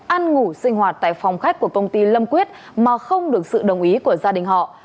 ăn ngủ sinh hoạt tại phòng khách của công ty lâm quyết mà không được sự đồng ý của gia đình họ